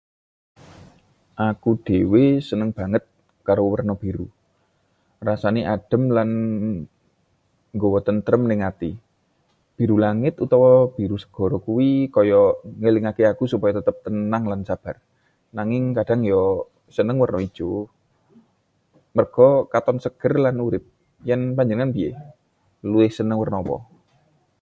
Aku dhewe seneng banget karo werna biru. Rasane adem lan nggawa tentrem neng ati. Biru langit utawa biru segara kuwi kaya ngelingake aku supaya tetep tenang lan sabar. Nanging kadhang yo seneng werna ijo, merga katon seger lan urip. Yen panjenengan piyé, luwih seneng werna apa?